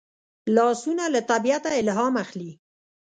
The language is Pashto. لاسونه له طبیعته الهام اخلي